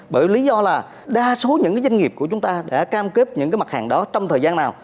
bởi lý do là đa số những doanh nghiệp của chúng ta đã cam kết những mặt hàng đó trong thời gian nào